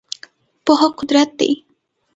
پوهه قدرت دی .